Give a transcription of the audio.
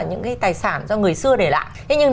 những cái tài sản do người xưa để lại thế nhưng